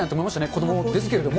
子どもですけれども、。